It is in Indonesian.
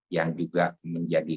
yang juga menjadi